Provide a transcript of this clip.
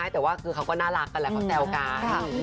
แต่ว่าคือเขาก็น่ารักกันแหละเขาแซวกัน